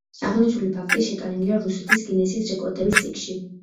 აღნიშნული ფაქტი შეტანილია რუსეთის გინესის რეკორდების წიგნში.